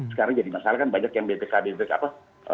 sekarang jadi masalah kan banyak yang bpkb itu apa